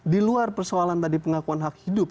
di luar persoalan tadi pengakuan hak hidup